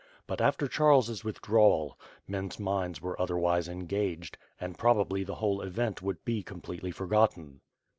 But, after Charles' withdrawal, men's minds were otherwise engaged, and prob ably the whole event would be completely forgotten.